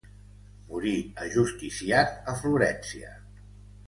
Morí ajusticiat a Florència.